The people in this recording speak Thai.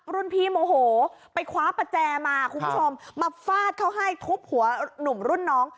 รุ่นพี่โมโหไปคว้าประแจมาคุณผู้ชมมาฟาดเขาให้ทุบหัวหนุ่มรุ่นน้อง